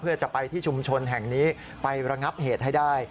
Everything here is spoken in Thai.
เพื่อจะไปที่ชุมชนแห่งนี้ไประงับเหตุให้ได้